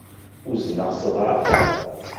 Unzeɣ s ḍḍrafa.